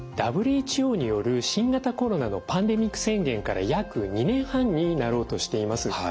ＷＨＯによる新型コロナのパンデミック宣言から約２年半になろうとしています。